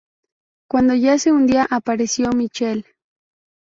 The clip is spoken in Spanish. Cuando ya se hundía, apareció el "Michel".